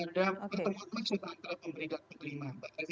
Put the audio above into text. ada pertemuan maksud antara pemerintah dan pemerintah